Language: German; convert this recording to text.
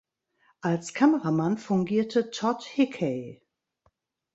Als Kameramann fungierte Todd Hickey.